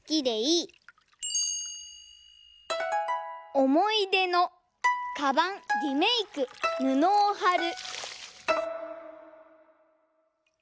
「おもいでのカバンリメイクぬのをはる」。